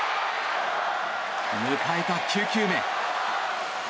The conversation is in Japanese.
迎えた９球目。